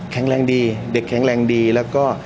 แรงดีเด็กแข็งแรงดีแล้วก็